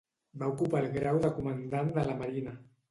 Va ocupar el grau de comandant de la Marina.